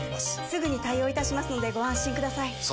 すぐに対応いたしますのでご安心ください